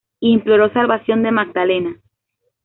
Imploró salvación de Magdalena.